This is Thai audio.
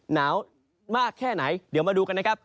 หนาวมากแค่ไหนเดี๋ยวมาดูกันนะครับ